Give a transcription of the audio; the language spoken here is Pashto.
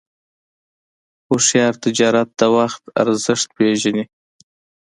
هوښیار تجارت د وخت ارزښت پېژني.